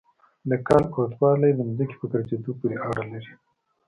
د کال اوږدوالی د ځمکې په ګرځېدو پورې اړه لري.